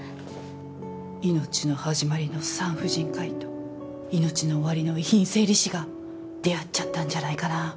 命の始まりの産婦人科医と命の終わりの遺品整理士が出会っちゃったんじゃないかな？